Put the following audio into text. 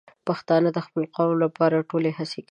پښتانه د خپل قوم لپاره ټولې هڅې کوي.